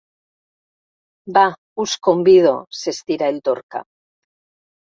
Va, us convido —s'estira el Dorca.